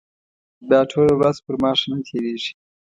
بیا ټوله ورځ پر ما ښه نه تېرېږي.